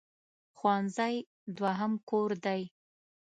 ښوونځی دوهم کور دی.